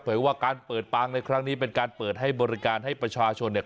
ว่าการเปิดปางในครั้งนี้เป็นการเปิดให้บริการให้ประชาชนเนี่ย